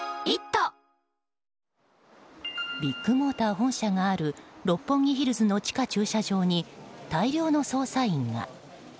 ビッグモーター本社がある六本木ヒルズの地下駐車場に大量の捜査員が。